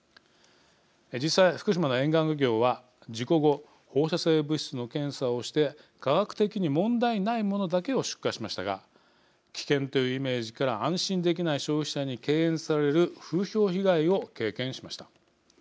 実際、福島の沿岸漁業は事故後放射性物質の検査をして科学的に問題ないものだけを出荷しましたが危険というイメージから安心できない消費者に敬遠される風評被害を経験しました。